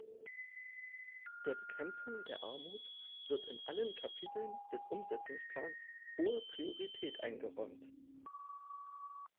Der Bekämpfung der Armut wird in allen Kapiteln des Umsetzungsplans hohe Priorität eingeräumt.